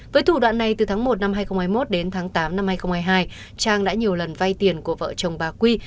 với thủ đoạn này từ tháng một năm hai nghìn hai mươi một đến tháng tám năm hai nghìn hai mươi hai trang đã nhiều lần vay tiền của vợ chồng bà quy